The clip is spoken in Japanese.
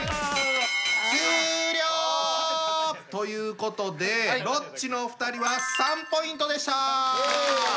終了！ということでロッチのお二人は３ポイントでした！